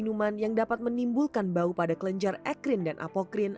dan minuman yang dapat menimbulkan bau pada kelenjar ekrin dan apokrin